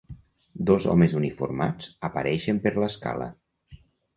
Dos homes uniformats apareixen per l'escala.